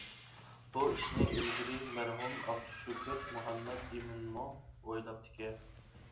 بۇ ئىشنى ئىلگىرى مەرھۇم ئابدۇشۈكۈر مۇھەممەتئىمىنمۇ ئويلاپتىكەن.